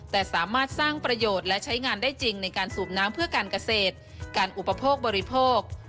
แต่สามารถสร้างประโยชน์และใช้งานได้จริงในการสูบน้ำเพื่อการเกษตรการอุปโภคบริโภค